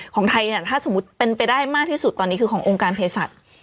ของไทยเนี่ยถ้าสมมุติเป็นไปได้มากที่สุดตอนนี้คือขององค์การเพศัตริย์